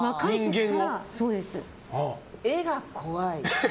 絵が怖い。